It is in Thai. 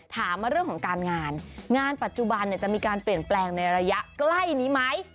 ถามมาเรื่องของการงานงานปัจจุบันจะมีการเปลี่ยนแปลงในระยะใกล้นี้ไหม